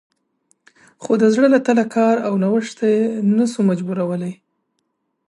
خو د زړه له تله کار او نوښت ته یې نه شو مجبورولی